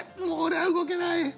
もう俺は動けない！